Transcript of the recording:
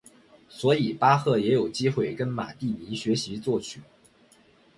所以巴赫也有机会跟马蒂尼学习作曲。